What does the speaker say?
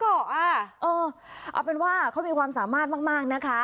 เอาเป็นว่าเขามีความสามารถมากนะคะ